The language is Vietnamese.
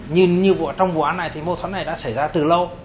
như trong vụ án này thì mâu thuận này đã xảy ra từ lâu